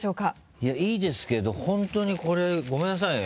いやいいですけど本当にこれごめんなさいね。